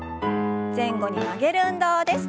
前後に曲げる運動です。